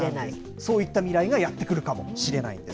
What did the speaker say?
そういった未来がやって来るかもしれないんです。